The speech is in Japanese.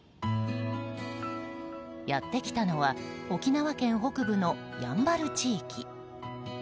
やってきたのは沖縄県北部の、やんばる地域。